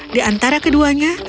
di antara keduanya